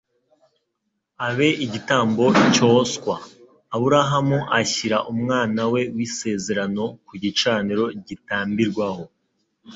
abe igitambo cyoswa.» Aburahamu ashyira umwana we w'isezerano ku gicaniro gitambirwaho,